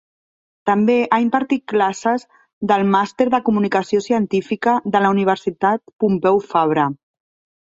També ha impartit classes del màster de Comunicació Científica de la Universitat Pompeu Fabra.